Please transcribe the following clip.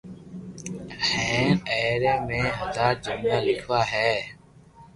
ھين آئري ۾ ھزار جملا ليکوا ھي